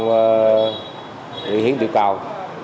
ghi hiến tiêu cầu